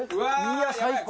いや最高！